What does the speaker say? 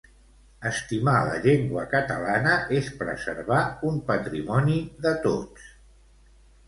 Estimar la llengua catalana és preservar un patrimoni de tots.